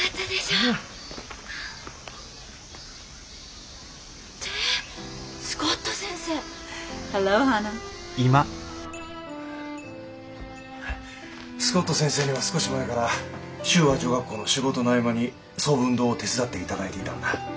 Ｈｅｌｌｏ，Ｈａｎａ．スコット先生には少し前から修和女学校の仕事の合間に聡文堂を手伝って頂いていたんだ。